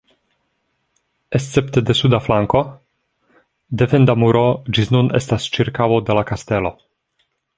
Escepte de suda flanko, defenda muro ĝis nun estas ĉirkaŭo de la kastelo.